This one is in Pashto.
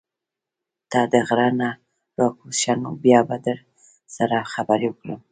ته د غرۀ نه راکوز شه نو بيا به در سره خبرې وکړم